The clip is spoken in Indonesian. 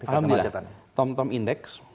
alhamdulillah tom tom index